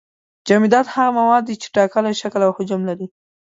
جامدات هغه مواد دي چې ټاکلی شکل او حجم لري.